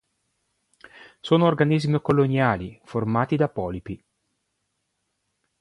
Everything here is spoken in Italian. Sono organismi coloniali, formati da polipi.